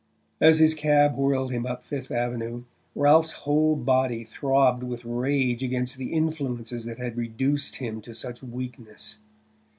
As his cab whirled him up Fifth Avenue, Ralph's whole body throbbed with rage against the influences that had reduced him to such weakness.